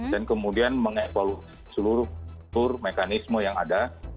dan kemudian mengekvalifikasi seluruh mekanisme yang ada